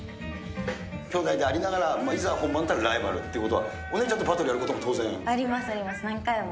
きょうだいでありながら、いざ、本番になったらライバルっていうのは、お姉ちゃんとバトルありますあります、何回も。